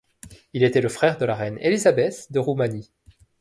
Il était le frère de la reine Élisabeth de Roumanie.